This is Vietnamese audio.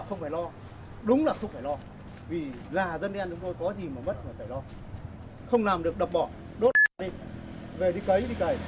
không làm được đập bỏ đốt xe đi về đi cấy đi cấy